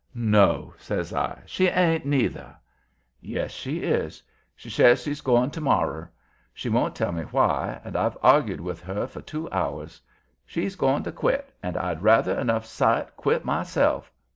"No?" says I. "She ain't neither!" "Yes, she is. She says she's going to morrer. She won't tell me why, and I've argued with her for two hours. She's going to quit, and I'd rather enough sight quit myself.